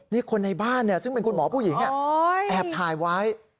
นี่คนในบ้านซึ่งเป็นคุณหมอผู้หญิงแอบถ่ายไว้